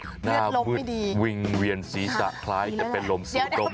หน้ามืดวิ่งเวียนศีรษะคล้ายจะเป็นลมสูดดม